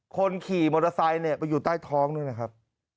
คนขี่มอเตอร์ไซค์เนี่ยไปอยู่ใต้ท้องด้วยนะครับ